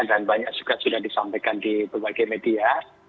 dan banyak juga sudah disampaikan di berbagai media